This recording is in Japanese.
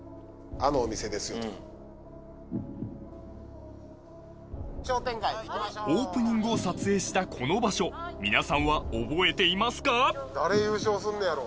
「あのお店ですよ」とかオープニングを撮影したこの場所皆さんは覚えていますか？